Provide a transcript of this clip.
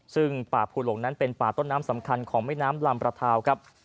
ซึ่งป่าภูหลงนั้นเป็นป่าต้นน้ำสำคัญของแม่น้ำลำประทาวครับ